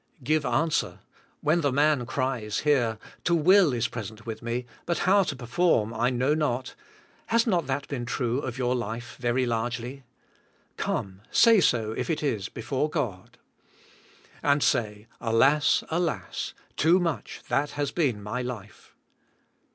*' Give answer. When the man cries, here: "To will is present with me, but how to perform I know not," has not that been true of your life very larg ely? Come, say so if it is before God. And say, "Alas! alas! too much that has been my life."